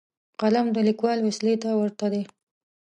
قلم د لیکوال وسلې ته ورته دی